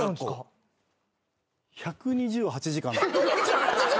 １２８時間！？